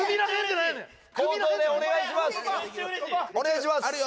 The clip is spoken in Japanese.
お願いします！